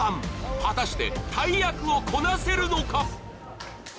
果たして大役をこなせるのか。